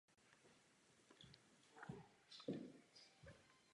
Nelze konkurovat masové výrobě produkci textilu a obuvi z Jihovýchodní Asie a Východní Asie.